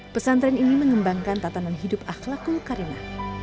pesantren ini mengembangkan tatanan hidup akhlakul karimah